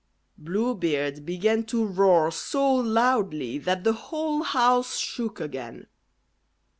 Blue Beard began to roar so loudly that the whole house shook again.